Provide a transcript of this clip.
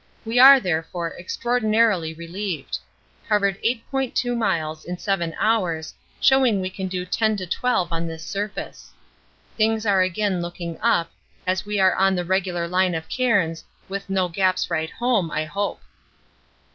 We are, therefore, extraordinarily relieved. Covered 8.2 miles in 7 hours, showing we can do 10 to 12 on this surface. Things are again looking up, as we are on the regular line of cairns, with no gaps right home, I hope.